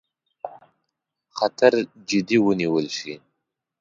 خطر جدي ونیول شي.